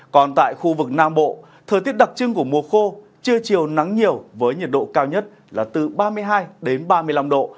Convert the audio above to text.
còn tại khu vực nam bộ thời tiết đặc trưng của mùa khô chưa chiều nắng nhiều với nhiệt độ cao nhất là từ ba mươi hai ba mươi năm độ